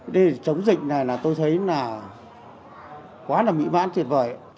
để chống dịch này là tôi thấy là quá là mỹ mãn tuyệt vời